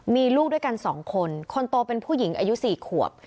มีลูกด้วยกัน๒คนคนโตเป็นผู้หญิงอายุ๔ขวบ